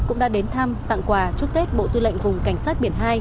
cũng đã đến thăm tặng quà chúc tết bộ tư lệnh vùng cảnh sát biển hai